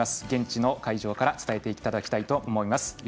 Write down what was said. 現地の会場から伝えていただきたいと思います。